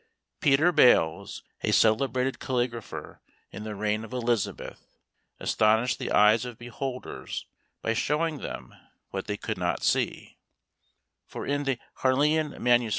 Peter Bales, a celebrated caligrapher in the reign of Elizabeth, astonished the eyes of beholders by showing them what they could not see; for in the Harleian MSS.